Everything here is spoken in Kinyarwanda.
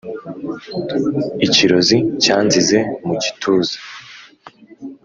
ikirozi cyanzize mu gituza